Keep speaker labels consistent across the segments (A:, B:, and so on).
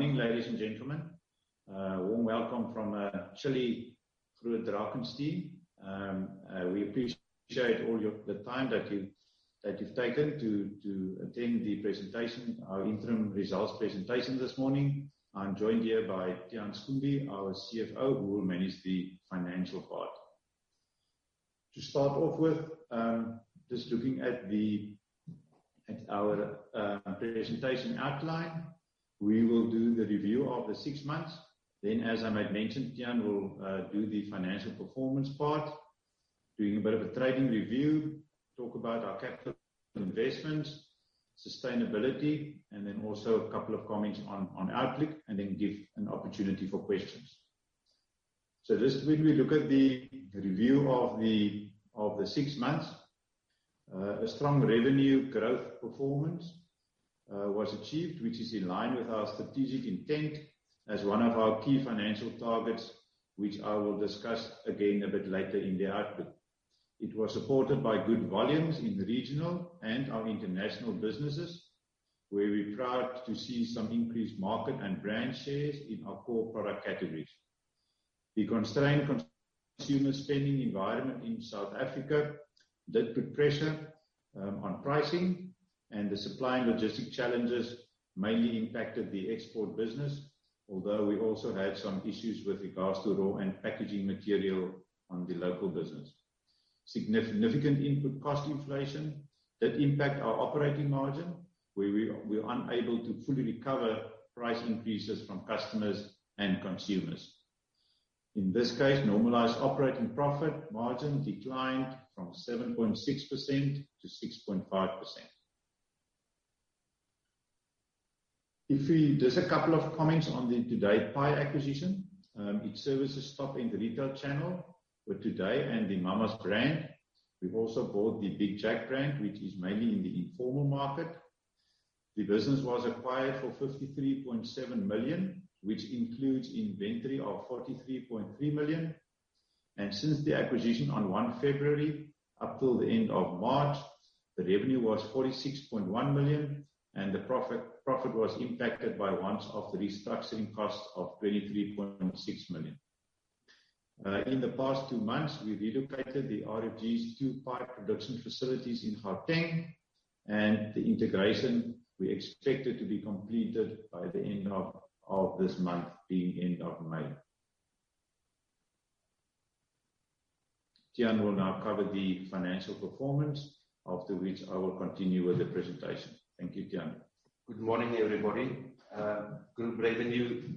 A: Morning, ladies and gentlemen. Warm welcome from a chilly Groot Drakenstein. We appreciate all your time that you've taken to attend the presentation, our interim results presentation this morning. I'm joined here by Tiaan Schoombie, our CFO, who will manage the financial part. To start off with, just looking at our presentation outline. We will do the review of the six months. Then, as I might mention, Tiaan will do the financial performance part, doing a bit of a trading review, talk about our capital investments, sustainability, and then also a couple of comments on outlook, and then give an opportunity for questions. Just when we look at the review of the six months. A strong revenue growth performance was achieved, which is in line with our strategic intent as one of our key financial targets, which I will discuss again a bit later in the outlook. It was supported by good volumes in regional and our international businesses, where we're proud to see some increased market and brand shares in our core product categories. The constrained consumer spending environment in South Africa did put pressure on pricing, and the supply and logistic challenges mainly impacted the export business, although we also had some issues with regards to raw and packaging material on the local business. Significant input cost inflation did impact our operating margin, where we were unable to fully recover price increases from customers and consumers. In this case, normalized operating profit margin declined from 7.6% to 6.5%. Just a couple of comments on the Today Pie Acquisition. It serves top-end retail channel with Today and the Mama's brand. We've also bought the Big Jack brand, which is mainly in the informal market. The business was acquired for 53.7 million, which includes inventory of 43.3 million. Since the acquisition on 1 February up till the end of March, the revenue was 46.1 million, and the profit was impacted by once-off restructuring costs of 23.6 million. In the past two months, we've relocated RFG's two pie production facilities in Gauteng, and the integration we expected to be completed by the end of this month, the end of May. Tiaan will now cover the financial performance, after which I will continue with the presentation. Thank you, Tiaan.
B: Good morning, everybody. Group revenue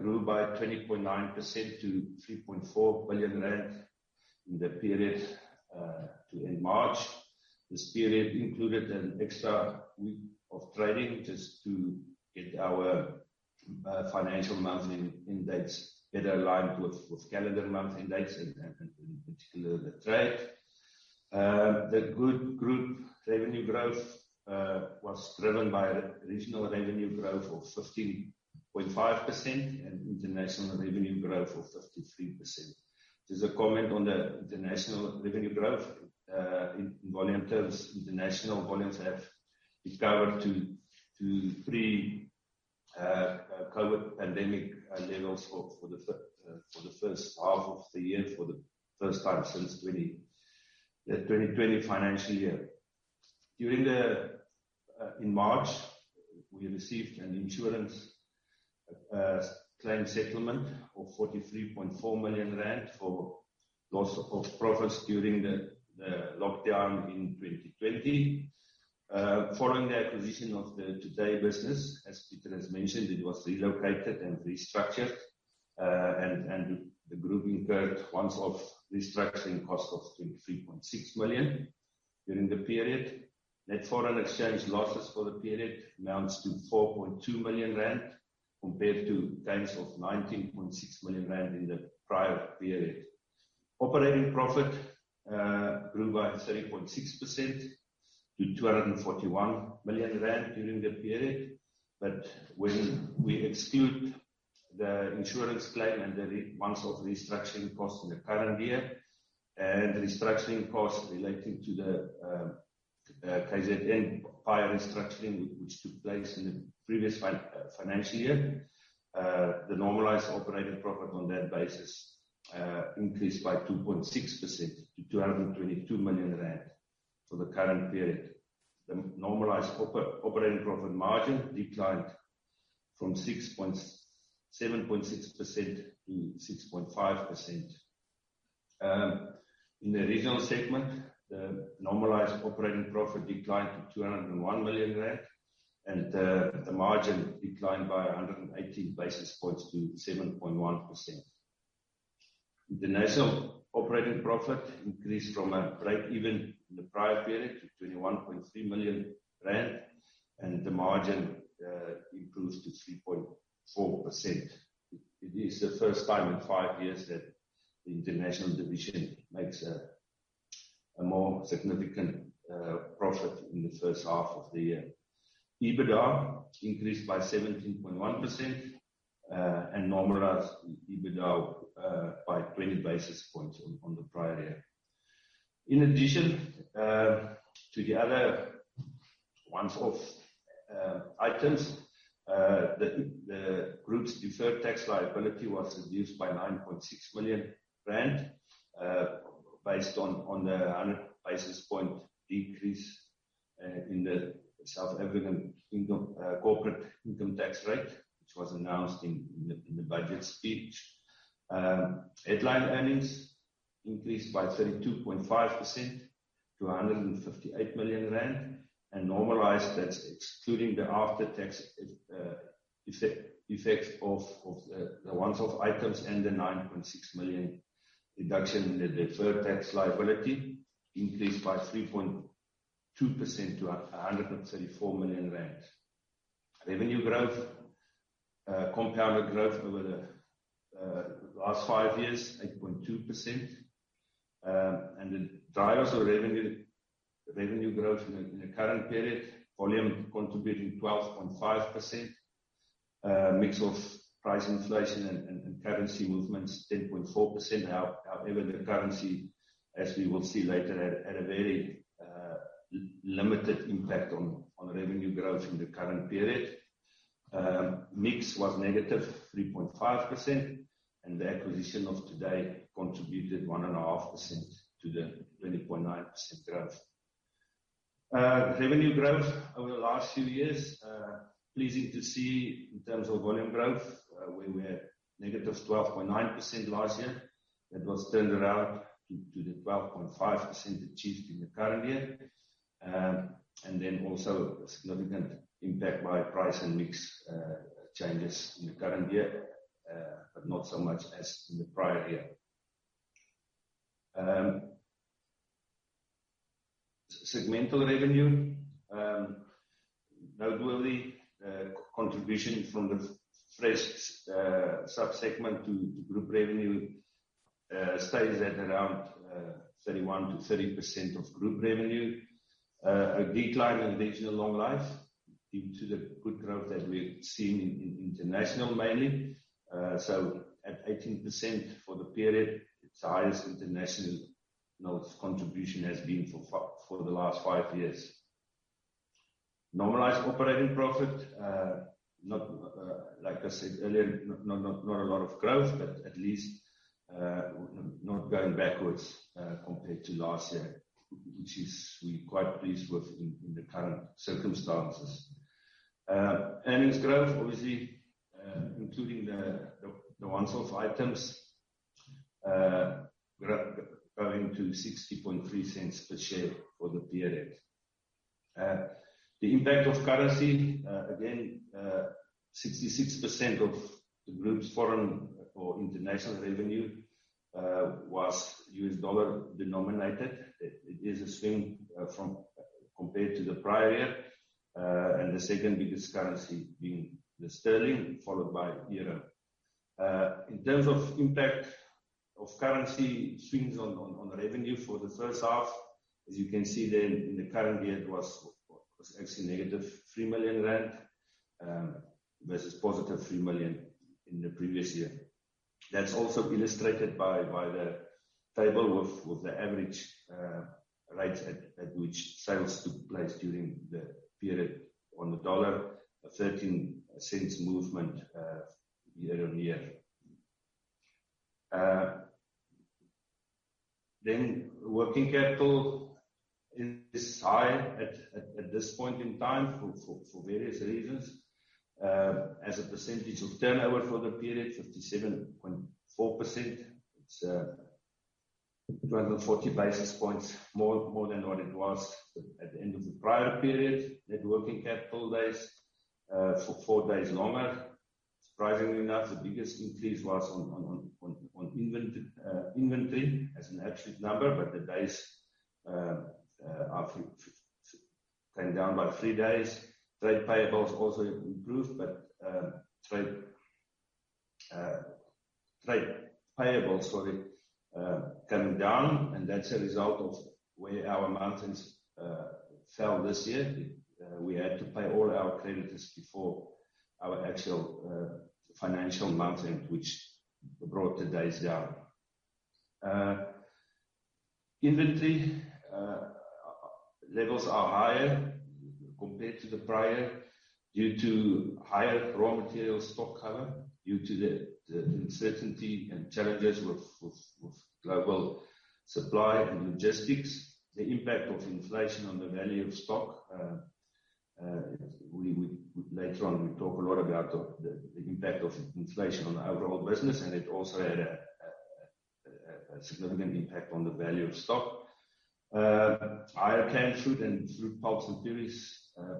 B: grew by 20.9% to 3.4 billion rand in the period to end March. This period included an extra week of trading just to get our financial month end dates better aligned with calendar month end dates, in particular the trade. The Goot Group's revenue growth was driven by regional revenue growth of 15.5% and international revenue growth of 33%. There's a comment on the international revenue growth. In volume terms, international volumes have recovered to pre-COVID pandemic levels for the first half of the year for the first time since 2020 financial year. In March, we received an insurance claim settlement of 43.4 million rand for loss of profits during the lockdown in 2020. Following the acquisition of the Today business, as Peter has mentioned, it was relocated and restructured, and the group incurred once-off restructuring cost of 23.6 million during the period. Net foreign exchange losses for the period amounts to 4.2 million rand compared to gains of 19.6 million rand in the prior period. Operating profit grew by 3.6% to 241 million rand during the period. When we exclude the insurance claim and the once off restructuring costs in the current year and restructuring costs relating to the KZN pie restructuring which took place in the previous financial year, the normalized operating profit on that basis increased by 2.6% to 222 million rand for the current period. The normalized operating profit margin declined from 7.6% to 6.5%. In the regional segment, the normalized operating profit declined to 201 million rand, and the margin declined by 118 basis points to 7.1%. International operating profit increased from breakeven in the prior period to 21.3 million rand, and the margin improved to 3.4%. It is the first time in five years that the international division makes a more significant profit in the first half of the year. EBITDA increased by 17.1%, and normalized EBITDA by 20 basis points on the prior year. In addition to the other once-off items, the Group's deferred tax liability was reduced by 9.6 million rand based on the 100 basis point decrease in the South African corporate income tax rate, which was announced in the budget speech. Headline earnings increased by 32.5% to 158 million rand. Normalized, that's excluding the after-tax effects of the once-off items and the 9.6 million reduction in the deferred tax liability increased by 3.2% to 134 million rand. Revenue growth, compounded growth over the last five years, 8.2%. The drivers of revenue growth in the current period, volume contributing 12.5%. Mix of price inflation and currency movements, 10.4%. However, the currency, as we will see later, had a very limited impact on revenue growth in the current period. Mix was negative 3.5%, and the acquisition of Today contributed 1.5% to the 20.9% growth. Revenue growth over the last few years, pleasing to see in terms of volume growth, when we're -12.9% last year. That was turned around to the 12.5% achieved in the current year. Also a significant impact by price and mix changes in the current year, but not so much as in the prior year. Segmental revenue, notably, contribution from the fresh sub-segment to group revenue stays at around 31%-30% of group revenue. A decline in regional long life due to the good growth that we're seeing in international mainly. At 18% for the period, it's the highest international, you know, contribution has been for the last five years. Normalized operating profit not, like I said earlier, not a lot of growth, but at least not going backwards compared to last year, which is we're quite pleased with in the current circumstances. Earnings growth, obviously, including the once-off items, growing to 0.603 per share for the period. The impact of currency, again, 66% of the group's foreign or international revenue was U.S. dollar denominated. It is a swing compared to the prior year. The second biggest currency being the sterling, followed by Euro. In terms of impact of currency swings on revenue for the first half, as you can see there in the current year, it was actually -3 million rand versus 3 million in the previous year. That's also illustrated by the table with the average rates at which sales took place during the period. On the dollar, a $13-cent movement year-on-year. Then working capital is high at this point in time for various reasons. As a percentage of turnover for the period, 57.4%. It's 240 basis points more than what it was at the end of the prior period. Net working capital days for four days longer. Surprisingly enough, the biggest increase was on inventory as an absolute number. The days came down by three days. Trade payables also improved, but trade payables, sorry, coming down, and that's a result of where our margins fell this year. We had to pay all our creditors before our actual financial year-end, which brought the days down. Inventory levels are higher compared to the prior due to higher raw material stock cover due to the uncertainty and challenges with global supply and logistics. The impact of inflation on the value of stock. Later on we talk a lot about the impact of inflation on our raw business, and it also had a significant impact on the value of stock. Higher canned fruit and fruit pulps and purées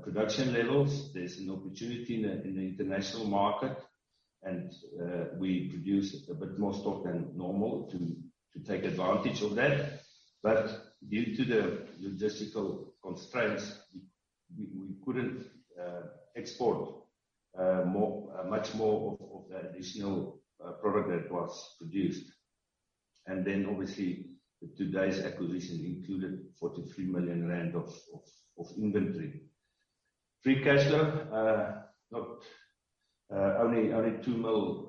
B: production levels. There's an opportunity in the international market, and we produce a bit more stock than normal to take advantage of that. Due to the logistical constraints, we couldn't export much more of the additional product that was produced. Obviously Today's acquisition included 43 million rand of inventory. Free cash flow only 2 million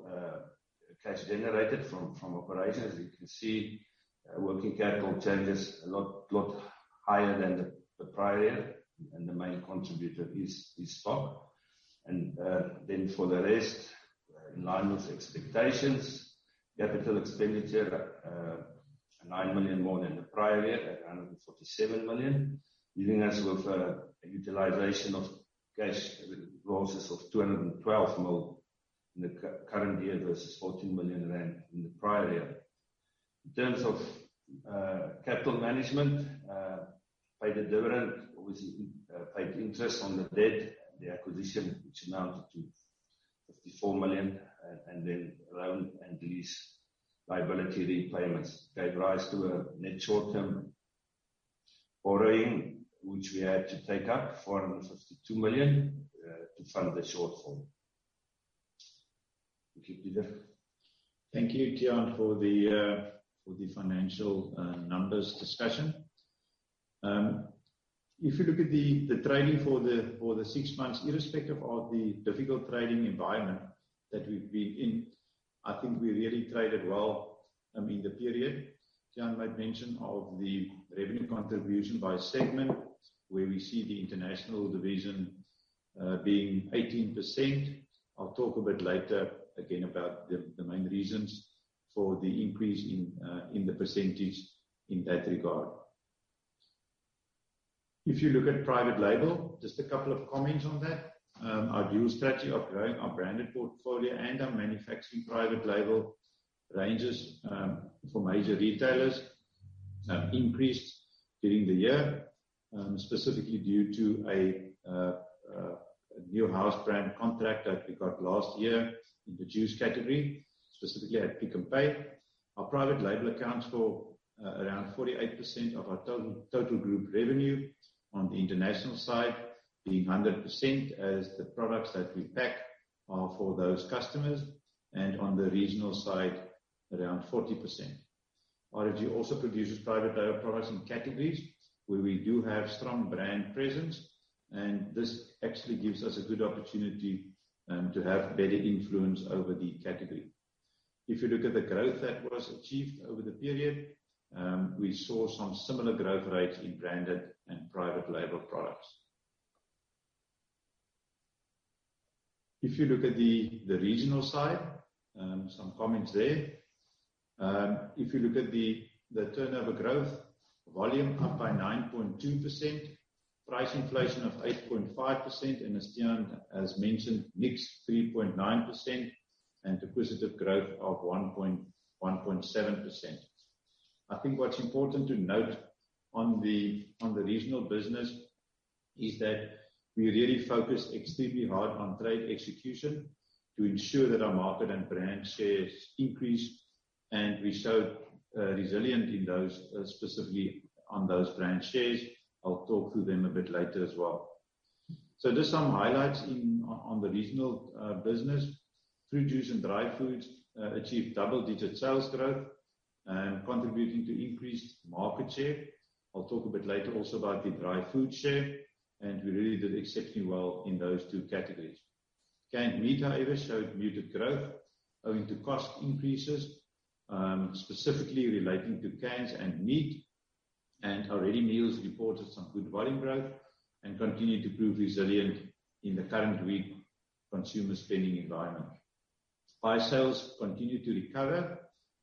B: cash generated from operations. You can see working capital changes a lot higher than the prior year, and the main contributor is stock. For the rest, in line with expectations. Capital expenditure 9 million more than the prior year at 147 million, leaving us with a utilization of cash flows of 212 million in the current year versus 14 million rand in the prior year. In terms of capital management, paid a dividend. Obviously, paid interest on the debt, the acquisition which amounted to 54 million, and then loan and lease liability repayments gave rise to a net short-term borrowing, which we had to take up 452 million to fund the shortfall. Okay, Pieter Hanekom.
A: Thank you, Tiaan, for the financial numbers discussion. If you look at the trading for the six months, irrespective of the difficult trading environment that we've been in, I think we really traded well in the period. Tiaan made mention of the revenue contribution by segment, where we see the international division being 18%. I'll talk a bit later again about the main reasons for the increase in the percentage in that regard. If you look at private label, just a couple of comments on that. Our dual strategy of growing our branded portfolio and our manufacturing private label ranges for major retailers increased during the year, specifically due to a new house brand contract that we got last year in the juice category, specifically at Pick n Pay. Our private label accounts for around 48% of our total group revenue on the international side, being 100% as the products that we pack are for those customers, and on the regional side, around 40%. RFG also produces private label products in categories where we do have strong brand presence, and this actually gives us a good opportunity to have better influence over the category. If you look at the growth that was achieved over the period, we saw some similar growth rates in branded and private label products. If you look at the regional side, some comments there. If you look at the turnover growth, volume up by 9.2%, price inflation of 8.5% and as Tiaan has mentioned, mix 3.9% and acquisitive growth of 1.7%. I think what's important to note on the regional business is that we really focus extremely hard on trade execution to ensure that our market and brand shares increase, and we showed resilient in those, specifically on those brand shares. I'll talk through them a bit later as well. Just some highlights in on the regional business. Fruit juice and dry foods achieved double-digit sales growth, contributing to increased market share. I'll talk a bit later also about the dry food share, and we really did exceptionally well in those two categories. Canned meat, however, showed muted growth owing to cost increases, specifically relating to cans and meat. Our ready meals reported some good volume growth and continued to prove resilient in the current weak consumer spending environment. Pie sales continue to recover.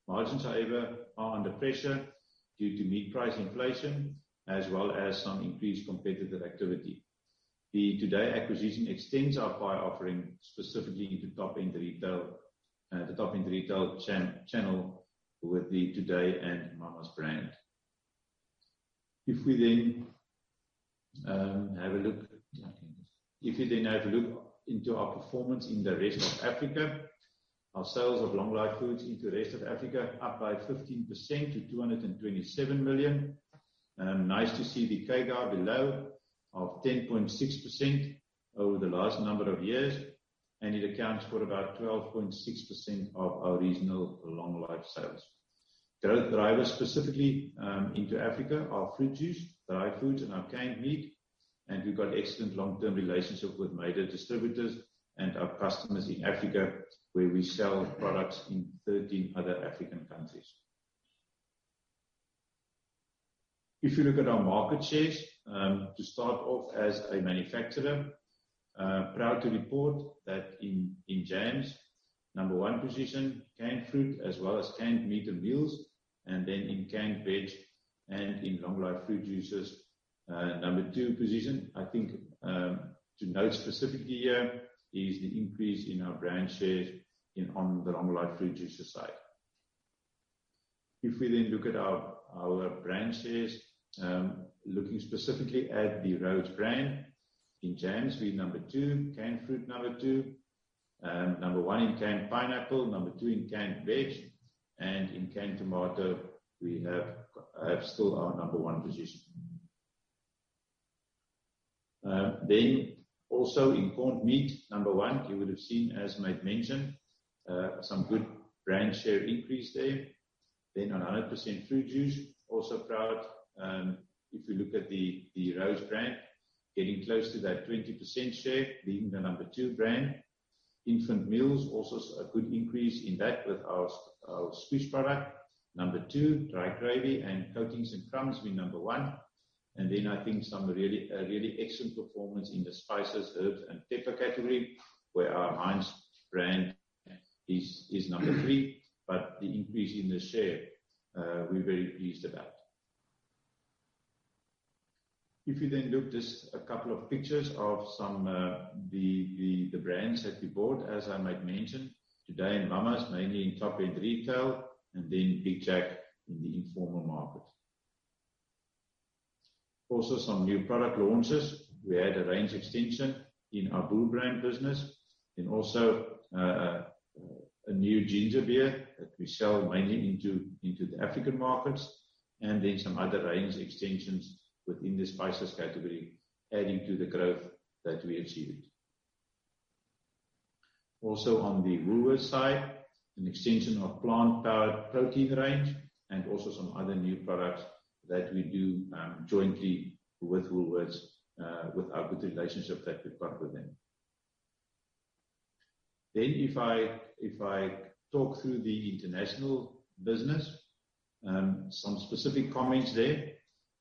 A: Margins, however, are under pressure due to meat price inflation, as well as some increased competitive activity. The Today acquisition extends our pie offering specifically to top-end retail, the top-end retail channel with the Today and Mama's brand. If we have a look into our performance in the rest of Africa. Our sales of long life foods into rest of Africa up by 15% to 227 million. Nice to see the CAGR of 10.6% over the last number of years, and it accounts for about 12.6% of our regional long life sales. Growth drivers specifically into Africa are fruit juice, dry foods and our canned meat. We've got excellent long-term relationship with major distributors and our customers in Africa, where we sell products in 13 other African countries. If you look at our market shares, to start off as a manufacturer, proud to report that in jams, number one position, canned fruit as well as canned meat and meals, and then in canned veg and in long life fruit juices, number two position. I think, to note specifically here is the increase in our brand shares in on the long life fruit juices side. If we then look at our brand shares, looking specifically at the Rhodes brand. In jams, we number two. Canned fruit, number two. Number one in canned pineapple, number two in canned veg, and in canned tomato, we have still our number one position. Also in corned meat, number one, you would have seen, as Mike mentioned, some good brand share increase there. On a 100% fruit juice, also proud. If you look at the Rhodes brand getting close to that 20% share, being the number two brand. Infant meals also saw a good increase in that with our Squish product. Number two, dry gravy and coatings and crumbs, we number one. I think some really excellent performance in the spices, herbs, and pepper category, where our Hinds brand is number three. The increase in the share, we're very pleased about. If you then look, just a couple of pictures of some the brands that we bought. As I mentioned, Today and Mama's mainly in top-end retail, and then Big Jack in the informal market. Also some new product launches. We had a range extension in our Bull Brand business and also a new ginger beer that we sell mainly into the African markets, and then some other range extensions within the spices category, adding to the growth that we achieved. Also on the Woolworths side, an extension of plant-powered protein range and also some other new products that we do jointly with Woolworths with our good relationship that we've got with them. If I talk through the international business, some specific comments there.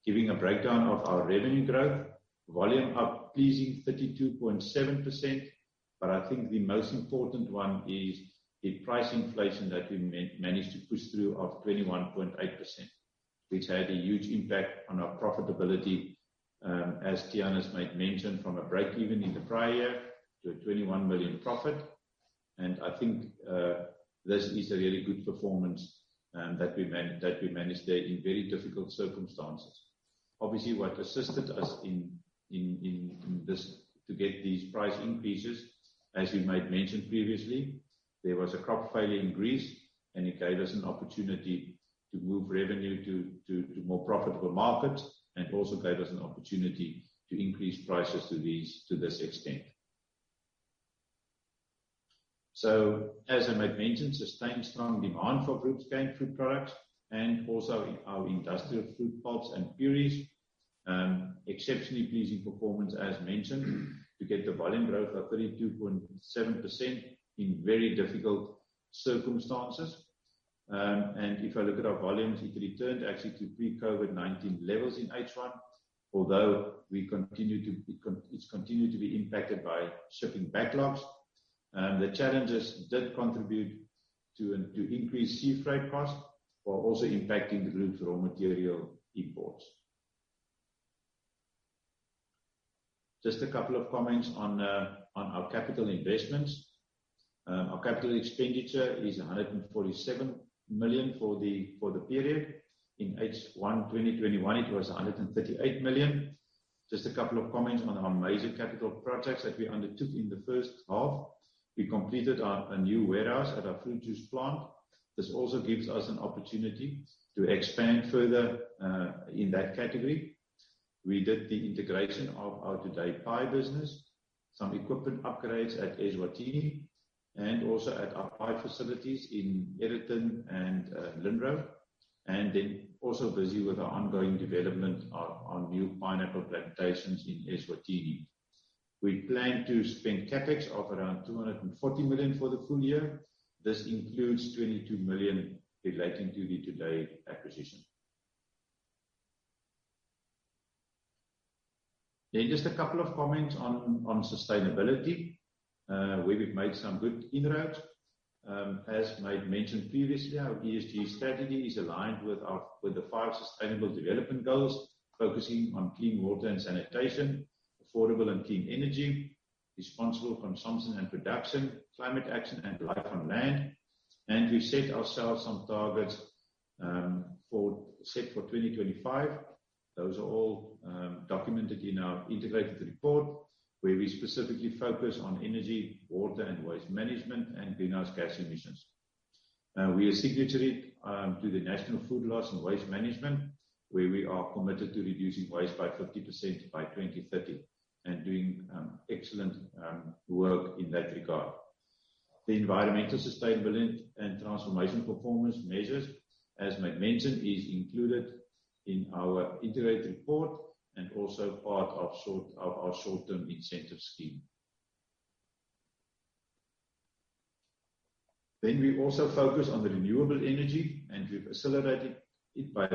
A: Giving a breakdown of our revenue growth, volume up pleasing 32.7%, but I think the most important one is the price inflation that we managed to push through of 21.8%, which had a huge impact on our profitability, as Tiaan mentioned, from a break-even in the prior year to a 21 million profit. I think this is a really good performance that we managed there in very difficult circumstances. Obviously, what assisted us in this to get these price increases, as we mentioned previously, there was a crop failure in Greece, and it gave us an opportunity to move revenue to more profitable markets and also gave us an opportunity to increase prices to this extent. As I'd mentioned, sustained strong demand for group's canned fruit products and also our industrial fruit pulps and purees. Exceptionally pleasing performance as mentioned, to get the volume growth of 32.7% in very difficult circumstances. If I look at our volumes, it returned actually to pre-COVID-19 levels in H1. Although it's continued to be impacted by shipping backlogs. The challenges did contribute to increased sea freight costs, while also impacting group's raw material imports. Just a couple of comments on our capital investments. Our capital expenditure is 147 million for the period. In H1 2021, it was 138 million. Just a couple of comments on our major capital projects that we undertook in the first half. We completed our A new warehouse at our fruit juice plant. This also gives us an opportunity to expand further in that category. We did the integration of our Today pie business, some equipment upgrades at Eswatini, and also at our pie facilities in Aeroton and Linbro, and then also busy with our ongoing development our new pineapple plantations in Eswatini. We plan to spend CapEx of around 240 million for the full year. This includes 22 million relating to the Today acquisition. Just a couple of comments on sustainability, where we've made some good inroads. As I'd mentioned previously, our ESG strategy is aligned with the five sustainable development goals, focusing on clean water and sanitation, affordable and clean energy, responsible consumption and production, climate action and life on land. We set ourselves some targets for set for 2025. Those are all documented in our integrated report, where we specifically focus on energy, water and waste management, and greenhouse gas emissions. We are signatory to the National Food Loss and Waste Management, where we are committed to reducing waste by 50% by 2030 and doing excellent work in that regard. The environmental sustainability and transformation performance measures, as I'd mentioned, is included in our integrated report and also part of our short-term incentive scheme. We also focus on the renewable energy, and we've accelerated it by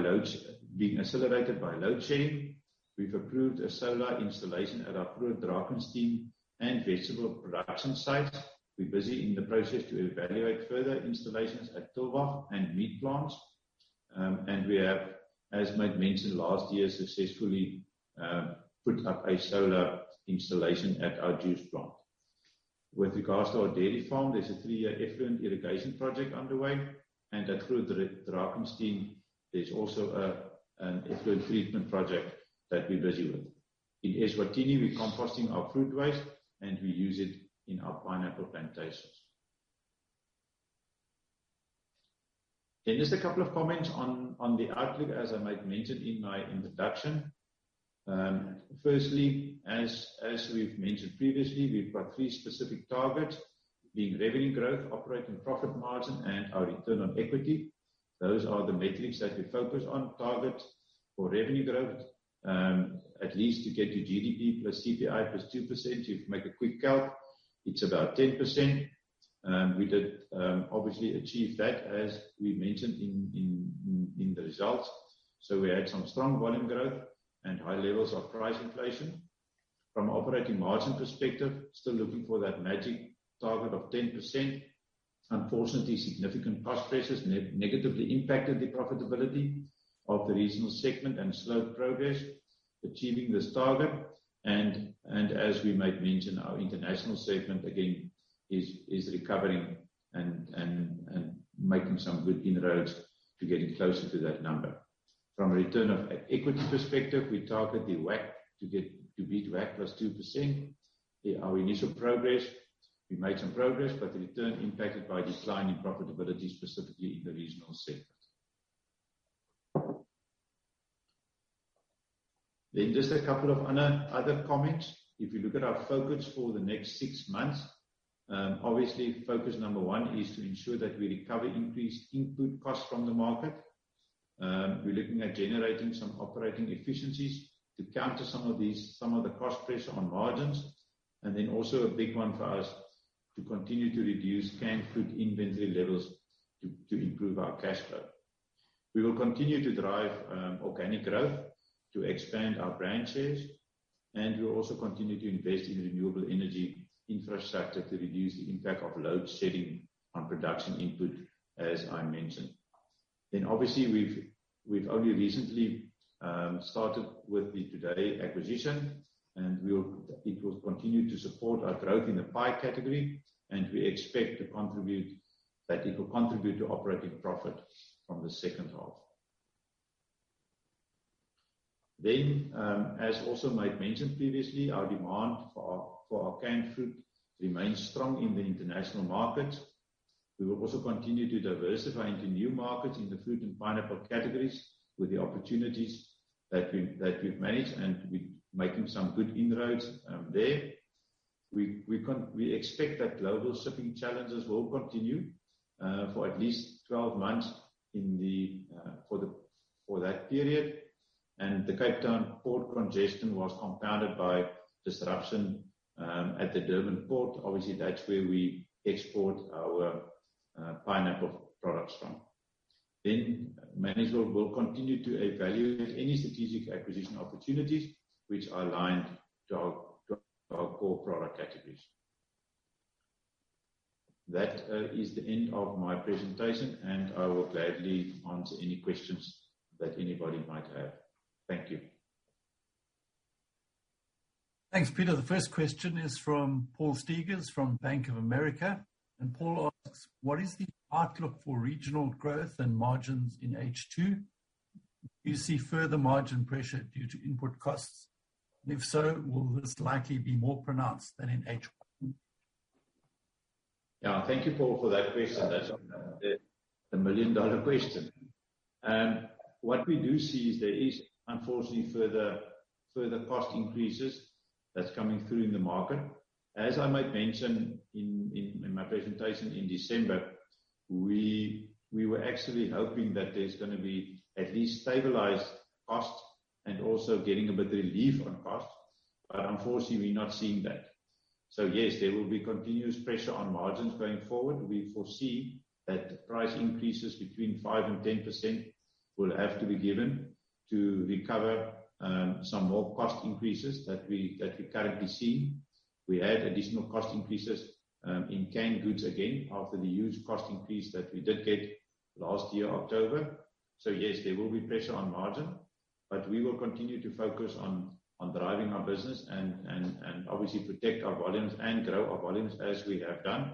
A: being accelerated by load shedding. We've approved a solar installation at our Groot Drakenstein and vegetable production sites. We're busy in the process to evaluate further installations at Tulbagh and meat plants. We have, as I'd mentioned last year, successfully put up a solar installation at our juice plant. With regards to our dairy farm, there's a three-year effluent irrigation project underway. At Groot Drakenstein, there's also an effluent treatment project that we're busy with. In Eswatini, we're composting our food waste, and we use it in our pineapple plantations. Just a couple of comments on the outlook, as I made mention in my introduction. Firstly, as we've mentioned previously, we've got three specific targets, being revenue growth, operating profit margin, and our return on equity. Those are the metrics that we focus on. Target for revenue growth, at least to get to GDP + CPI + 2%. If you make a quick calc, it's about 10%. We did obviously achieve that, as we mentioned in the results. We had some strong volume growth and high levels of price inflation. From operating margin perspective, still looking for that magic target of 10%. Unfortunately, significant cost pressures negatively impacted the profitability of the regional segment and slowed progress achieving this target. As we made mention, our international segment again is recovering and making some good inroads to getting closer to that number. From a return on equity perspective, we target to beat WACC plus 2%. In our initial progress, we made some progress, but the return impacted by decline in profitability, specifically in the regional segment. Just a couple of other comments. If you look at our focus for the next six months, obviously focus number one is to ensure that we recover increased input costs from the market. We're looking at generating some operating efficiencies to counter some of the cost pressure on margins. A big one for us, to continue to reduce canned fruit inventory levels to improve our cash flow. We will continue to drive organic growth to expand our brand shares, and we'll also continue to invest in renewable energy infrastructure to reduce the impact of load shedding on production input, as I mentioned. We've only recently started with the Today acquisition and it will continue to support our growth in the pie category, and we expect that it will contribute to operating profit from the second half. As also made mention previously, our demand for our canned fruit remains strong in the international markets. We will also continue to diversify into new markets in the fruit and pineapple categories with the opportunities that we've managed, and we're making some good inroads there. We expect that global shipping challenges will continue for at least 12 months for that period. The Cape Town port congestion was compounded by disruption at the Durban port. Obviously, that's where we export our pineapple products from. Management will continue to evaluate any strategic acquisition opportunities which are aligned to our core product categories. That is the end of my presentation, and I will gladly answer any questions that anybody might have. Thank you.
C: Thanks, Pieter Hanekom. The first question is from Paul Steyn from Bank of America. Paul asks:What is the outlook for regional growth and margins in H2? Do you see further margin pressure due to input costs? And if so, will this likely be more pronounced than in H1?
A: Yeah. Thank you, Paul, for that question. That's the million dollar question. What we do see is there is unfortunately further cost increases that's coming through in the market. As I made mention in my presentation in December, we were actually hoping that there's gonna be at least stabilized costs and also getting a bit relief on costs. Unfortunately we're not seeing that. Yes, there will be continuous pressure on margins going forward. We foresee that price increases between 5%-10% will have to be given to recover some more cost increases that we're currently seeing. We had additional cost increases in canned goods again after the huge cost increase that we did get last year, October. Yes, there will be pressure on margin. We will continue to focus on driving our business and obviously protect our volumes and grow our volumes as we have done.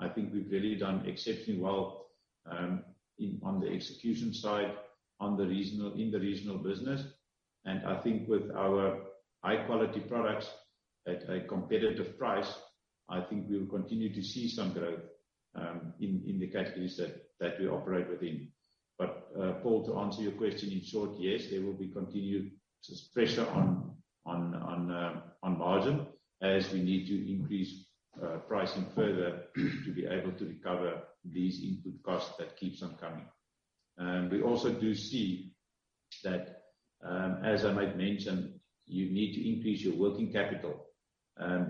A: I think we've really done exceptionally well in the execution side, in the regional business. I think with our high quality products at a competitive price, I think we will continue to see some growth in the categories that we operate within. Paul, to answer your question, in short, yes, there will be continued pressure on margin as we need to increase pricing further to be able to recover these input costs that keeps on coming. We also do see that, as I made mention, you need to increase your working capital,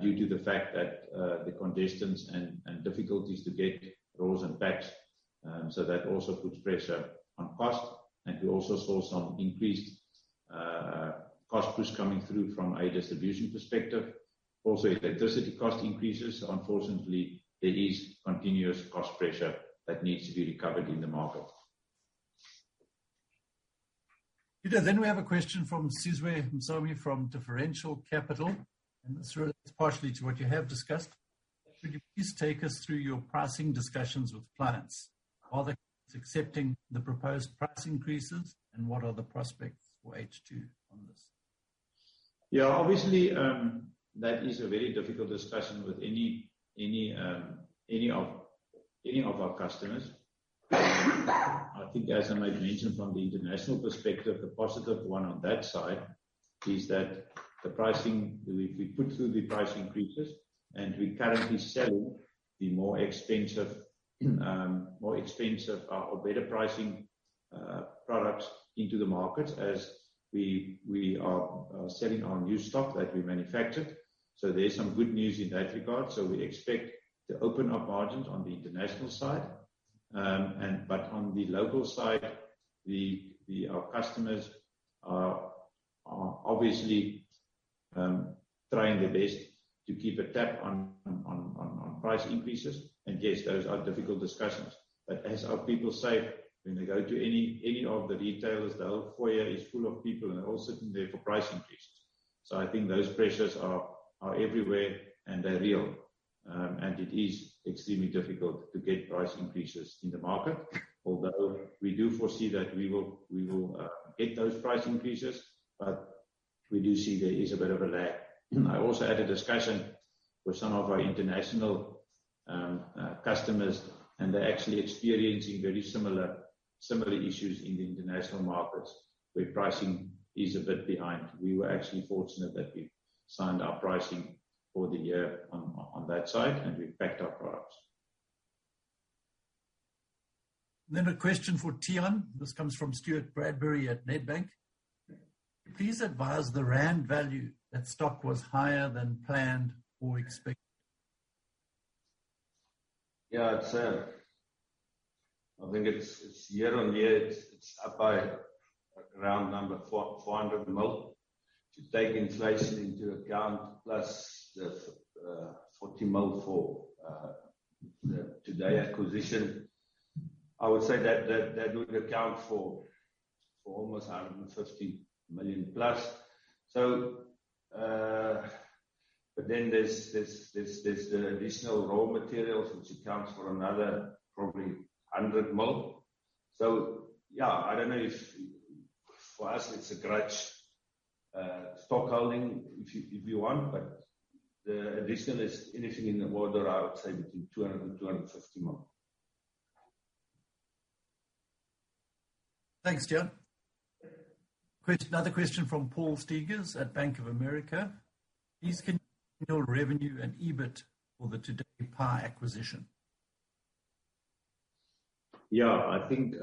A: due to the fact that, the constraints and difficulties to get rolls and packs. So that also puts pressure on cost. We also saw some increased cost push coming through from a distribution perspective. Also, electricity cost increases. Unfortunately, there is continuous cost pressure that needs to be recovered in the market.
C: Pieter, we have a question from Sizwe Msomi from Differential Capital, and this relates partially to what you have discussed. Could you please take us through your pricing discussions with clients? Are they accepting the proposed price increases, and what are the prospects for H2 on this?
A: Yeah, obviously, that is a very difficult discussion with any of our customers. I think as I made mention from the international perspective, the positive one on that side is that the pricing. We put through the price increases, and we currently sell the more expensive or better pricing products into the market as we are selling our new stock that we manufactured. There's some good news in that regard. We expect to open up margins on the international side. But on the local side, our customers are obviously trying their best to keep a tab on price increases. Yes, those are difficult discussions. As our people say, when they go to any of the retailers, the whole foyer is full of people, and they're all sitting there for price increases. I think those pressures are everywhere, and they're real. It is extremely difficult to get price increases in the market. Although we do foresee that we will get those price increases, but we do see there is a bit of a lag. I also had a discussion with some of our international customers, and they're actually experiencing very similar issues in the international markets, where pricing is a bit behind. We were actually fortunate that we signed our pricing for the year on that side, and we've backed our products.
C: A question for Tiaan. This comes from Stuart Murray at Nedbank. Please advise the rand value that stock was higher than planned or expected.
B: I think it's year-on-year up by a round number 400 million. To take inflation into account plus the 40 million for the Today acquisition. I would say that would account for almost 150 million plus. But then there's the additional raw materials which account for another probably 100 million. I don't know if. For us it's a grudge stock holding if you want, but the additional is anything in the order of, I would say between 200 million and 250 million.
C: Thanks, Tiaan. Another question from Paul Steyn at Bank of America. Please can you revenue and EBIT for the Today pie acquisition.
A: I think,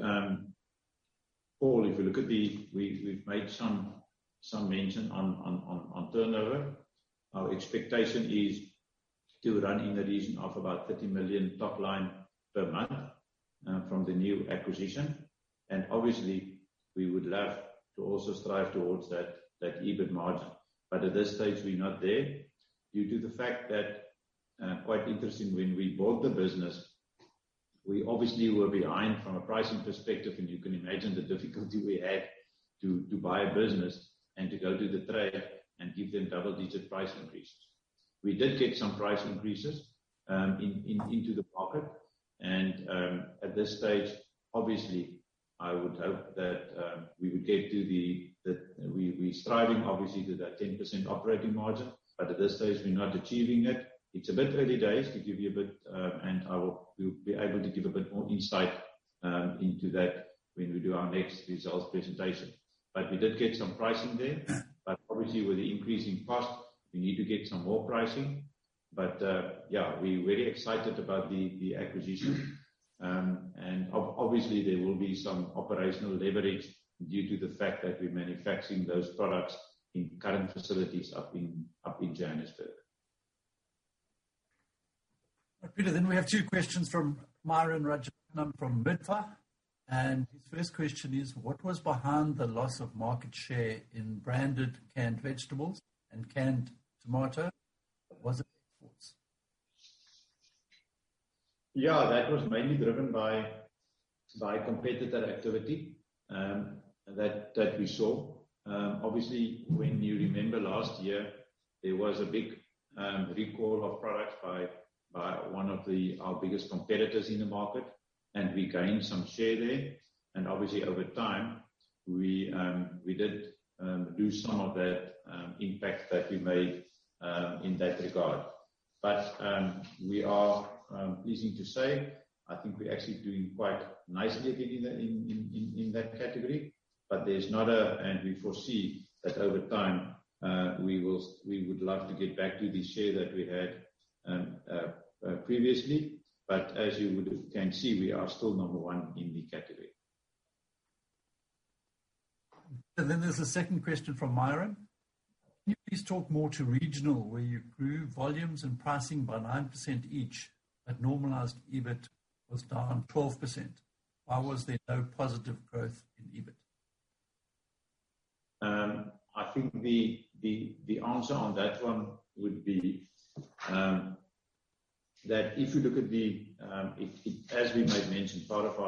A: Paul, if you look at the. We've made some mention on turnover. Our expectation is to run in the region of about 30 million top line per month from the new acquisition. Obviously we would love to also strive towards that EBIT margin. But at this stage we're not there due to the fact that, quite interesting, when we bought the business, we obviously were behind from a pricing perspective, and you can imagine the difficulty we had to buy a business and to go to the trade and give them double-digit price increases. We did get some price increases into the pocket. At this stage, obviously, I would hope that we would get to the. We're striving obviously to that 10% operating margin, but at this stage we're not achieving it. It's a bit early days. We'll be able to give a bit more insight into that when we do our next results presentation. We did get some pricing there. Obviously with the increasing cost, we need to get some more pricing. Yeah, we're very excited about the acquisition. Obviously there will be some operational leverage due to the fact that we're manufacturing those products in current facilities up in Johannesburg.
C: Pieter, we have two questions from Merlin Rajah from MIBFA. His first question is, what was behind the loss of market share in branded canned vegetables and canned tomato? Was it force?
A: Yeah. That was mainly driven by competitor activity that we saw. Obviously when you remember last year, there was a big recall of products by one of our biggest competitors in the market, and we gained some share there. Obviously over time, we did lose some of that impact that we made in that regard. We are pleased to say, I think we're actually doing quite nicely again in that category. We foresee that over time, we would love to get back to the share that we had previously. As you can see, we are still number one in the category.
C: Then there's a second question from Merlin. Can you please talk more to regional, where you grew volumes and pricing by 9% each, but normalized EBIT was down 12%. Why was there no positive growth in EBIT?
A: I think the answer on that one would be that if you look at it. As we made mention, part of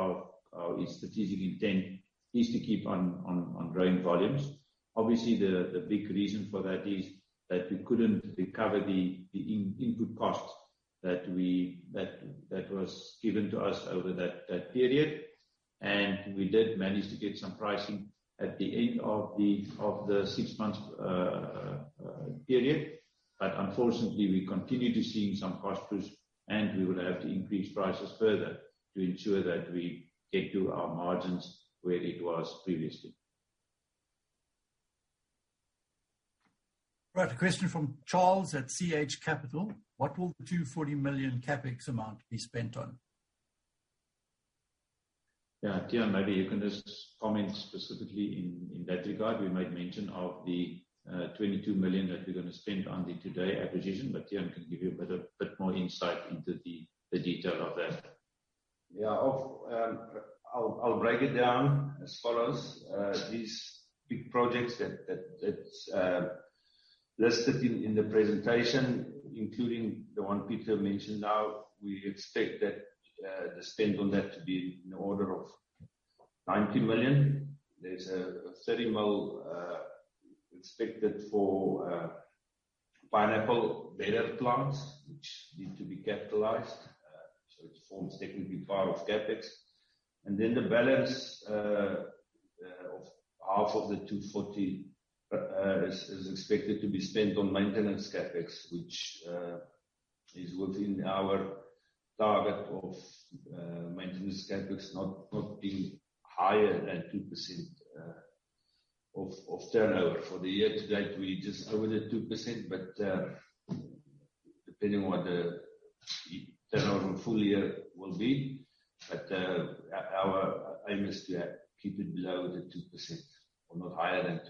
A: our strategic intent is to keep on growing volumes. Obviously the big reason for that is that we couldn't recover the input costs that was given to us over that period. We did manage to get some pricing at the end of the six months period. Unfortunately, we continue to seeing some cost push, and we will have to increase prices further to ensure that we get to our margins where it was previously.
C: Right. A question from Charles at CH Capital.What will the 240 million CapEx amount be spent on?
A: Yeah. Tiaan, maybe you can just comment specifically in that regard. We made mention of the 22 million that we're gonna spend on the Today acquisition. Tiaan can give you a bit more insight into the detail of that.
B: I'll break it down as follows. These big projects that's listed in the presentation, including the one Peter mentioned now, we expect that the spend on that to be in the order of 90 million. There's 30 million expected for pineapple processing plants which need to be capitalized, so it forms technically part of CapEx. Then the balance of half of the 240 million is expected to be spent on maintenance CapEx, which is within our target of maintenance CapEx not being higher than 2% of turnover. For the year to date we're just over the 2%. Depending on what the turnover full year will be. Our aim is to keep it below 2% or not higher than 2%.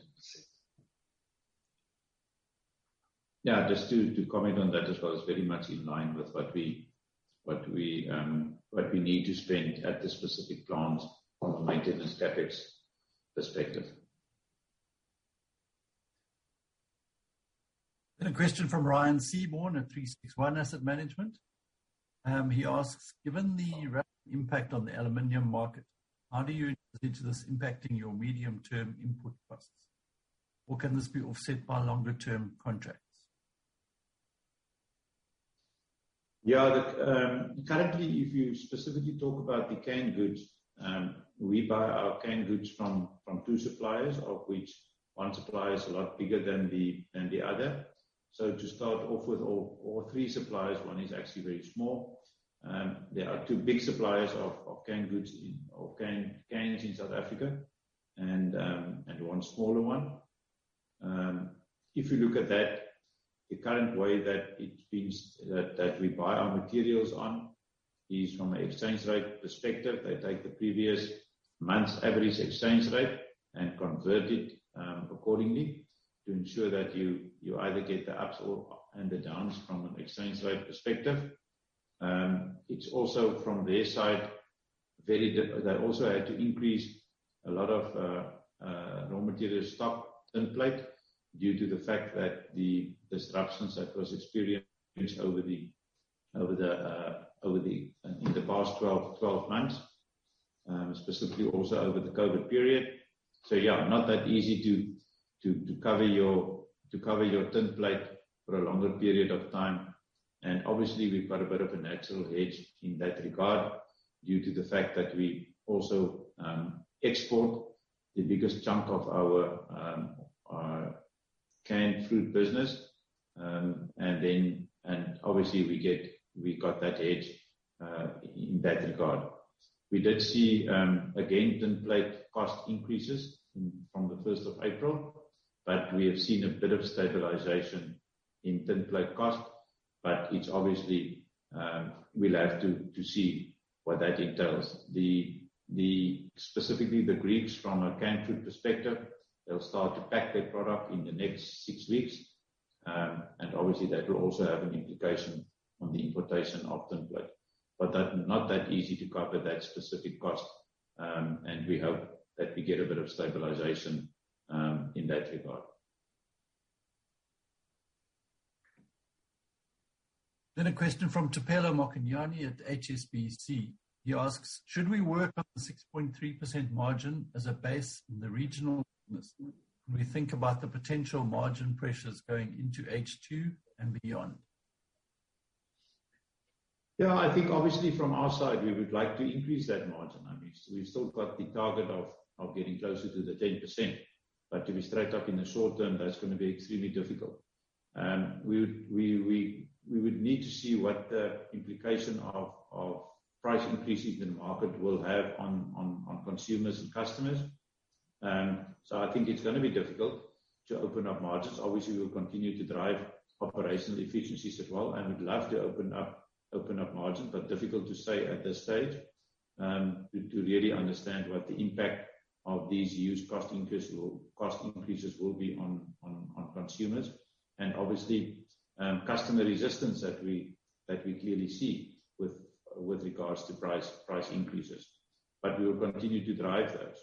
A: Yeah. Just to comment on that as well. It's very much in line with what we need to spend at the specific plants from a maintenance CapEx perspective.
C: A question from Ryan Seaborne at 36ONE Asset Management. He asks, "Given the impact on the aluminum market, how do you see this impacting your medium term input costs? Or can this be offset by longer term contracts?
A: Currently, if you specifically talk about the canned goods, we buy our canned goods from two suppliers, of which one supplier is a lot bigger than the other. To start off with all three suppliers, one is actually very small. There are two big suppliers of cans in South Africa and one smaller one. If you look at that, the current way that we buy our materials on is from an exchange rate perspective. They take the previous month's average exchange rate and convert it accordingly to ensure that you either get the ups or the downs from an exchange rate perspective. It's also from their side. They also had to increase a lot of raw material stock tin plate due to the fact that the disruptions that was experienced over the past 12 months, specifically also over the COVID-19 period. Yeah, not that easy to cover your tin plate for a longer period of time. Obviously we've got a bit of a natural hedge in that regard due to the fact that we also export the biggest chunk of our canned food business. Obviously we got that hedge in that regard. We did see again tin plate cost increases from the 1st of April, but we have seen a bit of stabilization in tin plate cost. It's obviously we'll have to see what that entails. Specifically the Greeks from a canned food perspective, they'll start to pack their product in the next six weeks. Obviously that will also have an implication on the importation of tin plate. That's not that easy to cover that specific cost. We hope that we get a bit of stabilization in that regard.
C: A question from Thapelo Mokonyane at HSBC. He asks, "Should we work on the 6.3% margin as a base in the regional? When we think about the potential margin pressures going into H2 and beyond.
A: Yeah. I think obviously from our side we would like to increase that margin. I mean, we've still got the target of getting closer to the 10%. To be straight up, in the short term that's gonna be extremely difficult. We would need to see what the implication of price increases in the market will have on consumers and customers. I think it's gonna be difficult to open up margins. Obviously, we'll continue to drive operational efficiencies as well, and we'd love to open up margins. Difficult to say at this stage, to really understand what the impact of these huge cost increases will be on consumers. Obviously, customer resistance that we clearly see with regards to price increases. We will continue to drive those.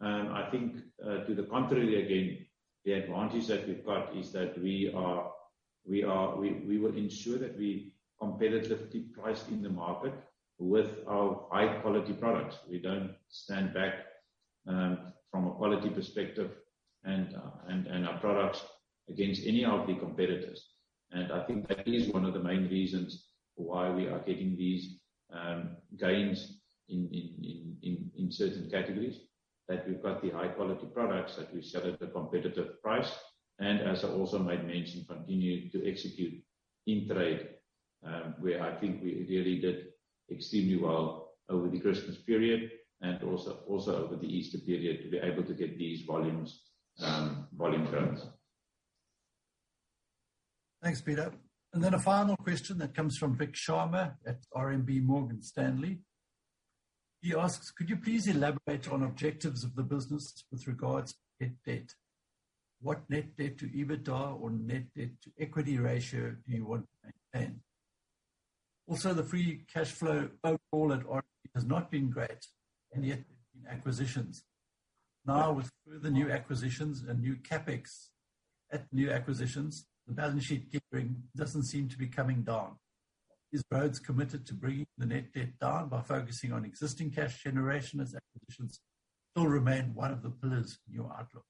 A: I think to the contrary again, the advantage that we've got is that we will ensure that we are competitively priced in the market with our high quality products. We don't stand back from a quality perspective and pit our products against any of the competitors. I think that is one of the main reasons why we are getting these gains in certain categories. That we've got the high quality products that we sell at a competitive price. As I also made mention, continue to execute in trade, where I think we really did extremely well over the Christmas period and also over the Easter period, to be able to get this volume growth.
C: Thanks, Pieter. Then a final question that comes from Vikhyat Sharma at RMB Morgan Stanley. He asks: Could you please elaborate on objectives of the business with regards net debt? What net debt to EBITDA or net debt to equity ratio do you want to maintain? Also, the free cash flow overall at RFG has not been great, and yet in acquisitions. Now with further new acquisitions and new CapEx at new acquisitions, the balance sheet gearing doesn't seem to be coming down. Is Rhodes committed to bringing the net debt down by focusing on existing cash generation as acquisitions still remain one of the pillars in your outlook?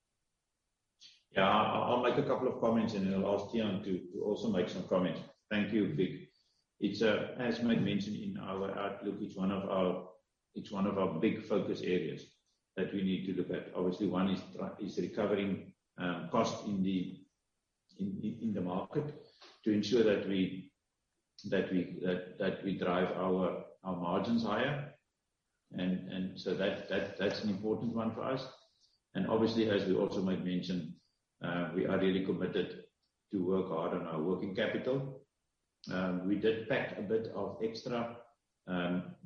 A: Yeah. I'll make a couple of comments and then I'll ask Tiaan to also make some comments. Thank you, Vik. It's as we made mention in our outlook, it's one of our big focus areas that we need to look at. Obviously, one is recovering cost in the market to ensure that we drive our margins higher. So that's an important one for us. Obviously, as we also made mention, we are really committed to work hard on our working capital. We did pack a bit of extra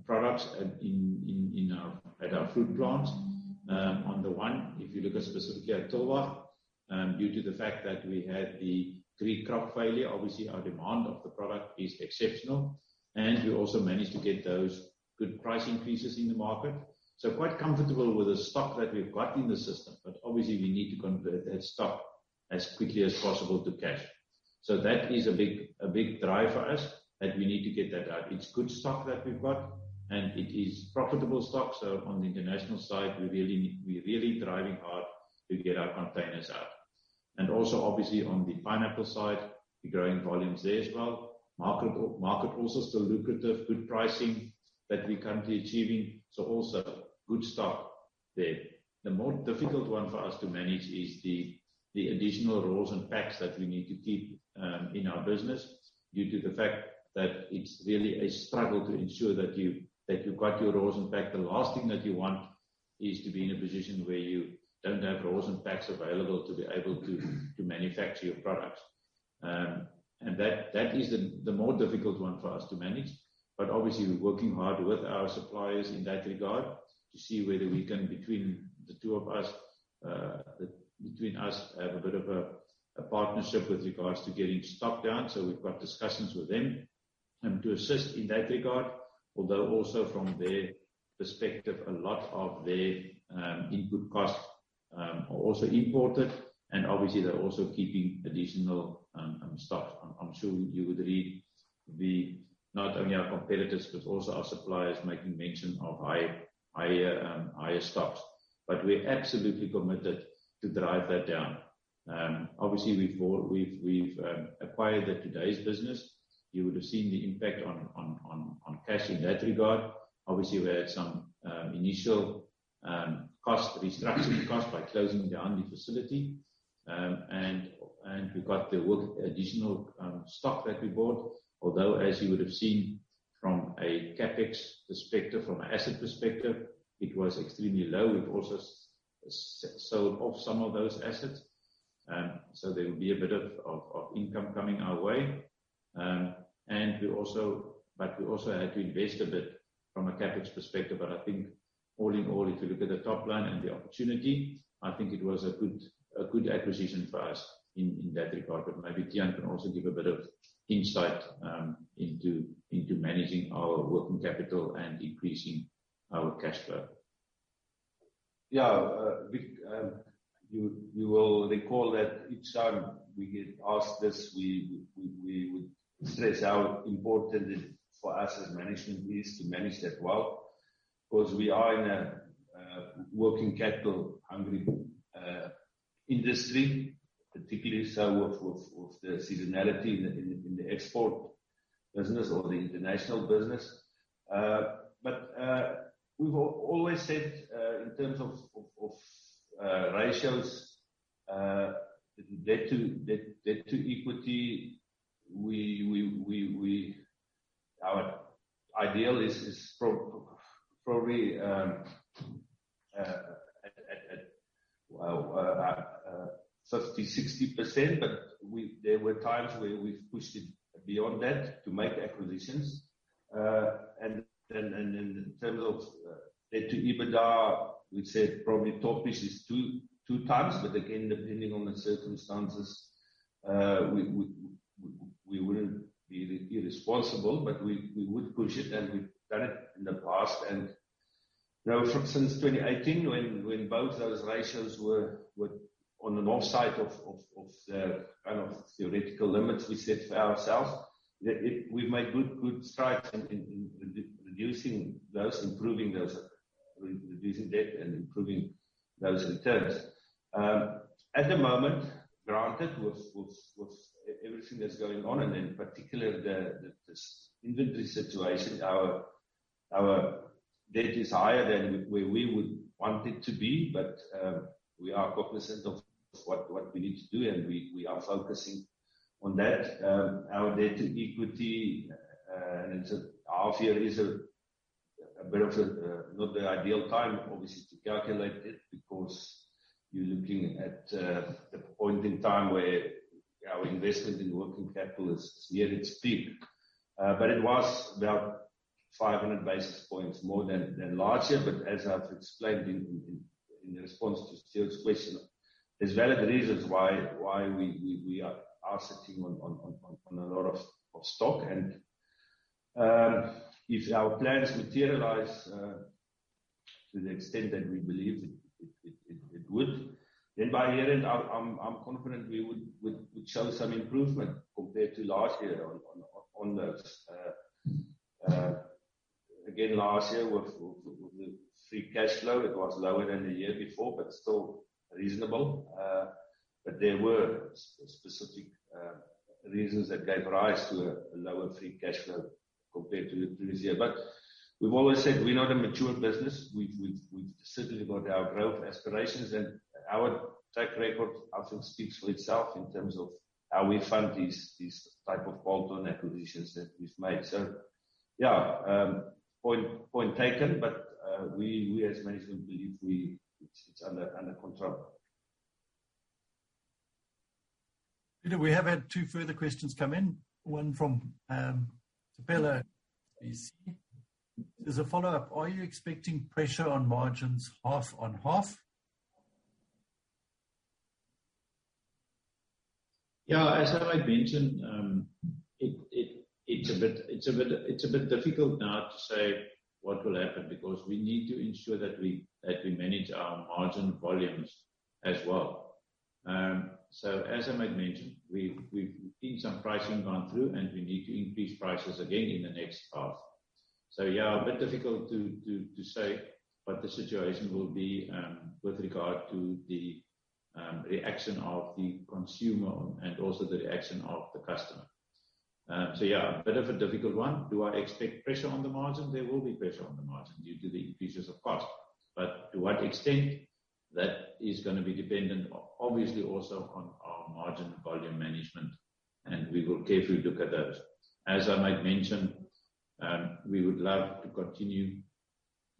A: products at our fruit plants on the one. If you look at specifically at Tulbagh, due to the fact that we had the three crop failure, obviously our demand of the product is exceptional. We also managed to get those good price increases in the market. Quite comfortable with the stock that we've got in the system, but obviously we need to convert that stock as quickly as possible to cash. That is a big drive for us, that we need to get that out. It's good stock that we've got, and it is profitable stock. On the international side, we're really driving hard to get our containers out. Also obviously on the pineapple side, we're growing volumes there as well. Market also still lucrative, good pricing that we're currently achieving, so also good stock there. The more difficult one for us to manage is the additional rolls and packs that we need to keep in our business due to the fact that it's really a struggle to ensure that you've got your rolls and pack. The last thing that you want is to be in a position where you don't have rolls and packs available to manufacture your products. That is the more difficult one for us to manage. Obviously we're working hard with our suppliers in that regard to see whether we can between us have a bit of a partnership with regards to getting stock down. We've got discussions with them to assist in that regard. Although also from their perspective, a lot of their input costs are also imported and obviously they're also keeping additional stock. I'm sure you would read, not only our competitors, but also our suppliers making mention of higher stocks. We're absolutely committed to drive that down. Obviously we've acquired the Today’s business. You would have seen the impact on cash in that regard. Obviously we had some initial restructuring costs by closing down the facility. We had additional stock that we bought. Although, as you would have seen from a CapEx perspective, from an asset perspective, it was extremely low. We've also sold off some of those assets, so there will be a bit of income coming our way. We also had to invest a bit from a CapEx perspective. I think all in all, if you look at the top line and the opportunity, I think it was a good acquisition for us in that regard. Maybe Tiaan can also give a bit of insight into managing our working capital and increasing our cash flow.
B: Yeah. Vik, you will recall that each time we get asked this, we would stress how important it for us as management is to manage that well. Because we are in a working capital hungry industry, particularly so of the seasonality in the export business or the international business. But we've always said, in terms of ratios, debt to equity. Our ideal is probably at 30%-60%, but there were times where we've pushed it beyond that to make acquisitions. In terms of debt to EBITDA, we've said probably top-ish is 2x, but again, depending on the circumstances, we wouldn't be irresponsible, but we would push it and we've done it in the past. You know, since 2018 when both those ratios were on the north side of the kind of theoretical limits we set for ourselves. We've made good strides in reducing those, improving those, reducing debt and improving those returns. At the moment, granted with everything that's going on, and in particular this inventory situation, our debt is higher than where we would want it to be. We are cognizant of what we need to do, and we are focusing on that. Our debt equity half year is a bit of a, not the ideal time obviously to calculate it because you're looking at the point in time where our investment in working capital is near its peak. It was about 500 basis points more than last year. As I've explained in response to Stuart's question, there's valid reasons why we are sitting on a lot of stock. If our plans materialize to the extent that we believe it would, then by year-end I'm confident we would show some improvement compared to last year on those. Again, last year with the free cash flow, it was lower than the year before but still reasonable. There were specific reasons that gave rise to a lower free cash flow compared to this year. We've always said we're not a mature business. We've certainly got our growth aspirations. Our track record I think speaks for itself in terms of how we fund these type of bolt-on acquisitions that we've made. Yeah, point taken, but we as management believe it's under control.
C: Pieter, we have had two further questions come in. One from Thapelo, HSBC. As a follow-up, are you expecting pressure on margins half on half?
A: Yeah. As I might mentioned, it's a bit difficult now to say what will happen because we need to ensure that we manage our margin volumes as well. As I might mentioned, we've seen some pricing gone through, and we need to increase prices again in the next half. Yeah, a bit difficult to say what the situation will be with regard to the reaction of the consumer and also the reaction of the customer. Yeah, bit of a difficult one. Do I expect pressure on the margin? There will be pressure on the margin due to the increases of cost. But to what extent, that is gonna be dependent obviously also on our margin volume management, and we will carefully look at that. As I might mention, we would love to continue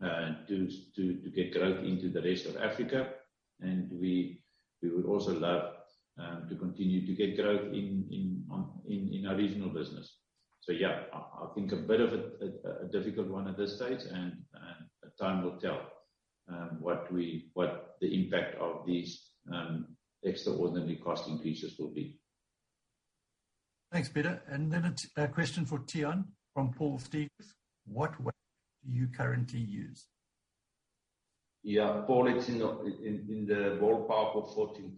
A: to get growth into the rest of Africa, and we would also love to continue to get growth in our regional business. Yeah, I think a bit of a difficult one at this stage and time will tell what the impact of these extraordinary cost increases will be.
C: Thanks, Pieter. Question for Tiaan from Paul Steyn. What do you currently use?
B: Yeah, Paul, it's in the ballpark of 14 point